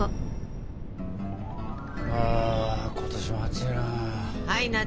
あ今年も暑いな。